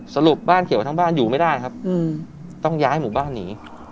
สรุปบ้านเขียวทั้งบ้านอยู่ไม่ได้ครับต้องย้ายหมู่บ้านหนี